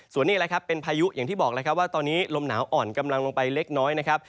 ส่วนนี้แหละครับเป็นพายุอย่างที่บอกแล้วครับว่าตอนนี้ลมหนาวอ่อนกำลังลงไปเล็กน้อยนะครับ